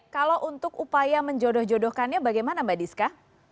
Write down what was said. kalau untuk upaya menjodoh jodohkannya bagaimana mbak diska